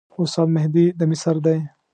استاد مهدي د مصر دی.